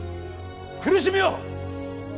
苦しみを！